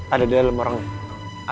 ada dia dalam orangnya